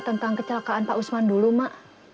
tentang kecelakaan pak usman dulu mak